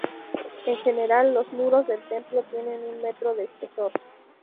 En general los muros del templo tienen un metro de espesor.